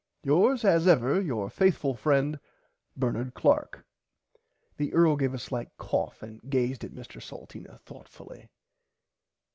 Yours as ever your faithfull friend Bernard Clark. The Earl gave a slight cough and gazed at Mr Salteena thourghtfully.